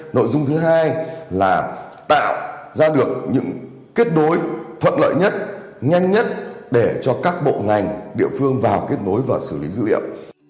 nội dung thứ hai là tạo ra được những kết nối thuận lợi nhất nhanh nhất để cho các bộ ngành địa phương vào kết nối và xử lý dữ liệu